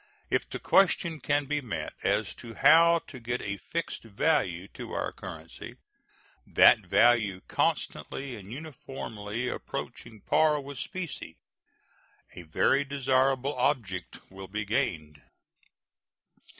If the question can be met as to how to get a fixed value to our currency, that value constantly and uniformly approaching par with specie, a very desirable object will be gained.